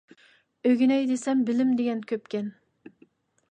ئۆگىنەي دېسە بىلىم دېگەن كۆپكەن.